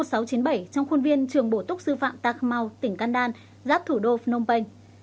trong khuôn viên trường bổ túc sư phạm tak mau tỉnh can đan giáp thủ đô phnom penh